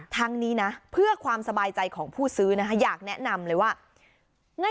ทั้งนี้นะเพื่อความสบายใจของผู้ซื้อนะคะอยากแนะนำเลยว่า